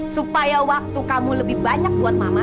supaya waktu kamu lebih banyak buat mama